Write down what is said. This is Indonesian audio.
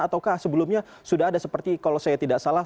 ataukah sebelumnya sudah ada seperti kalau saya tidak salah